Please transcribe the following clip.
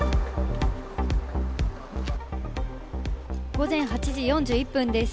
午前８時４１分です。